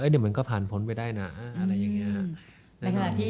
เดี๋ยวมันก็ผ่านพ้นไปได้นะอะไรอย่างนี้